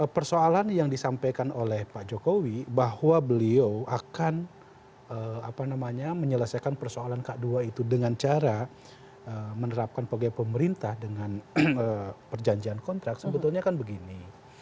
persoalan yang disampaikan oleh pak jokowi bahwa beliau akan menyelesaikan persoalan k dua itu dengan cara menerapkan pegawai pemerintah dengan perjanjian kontrak sebetulnya kan begini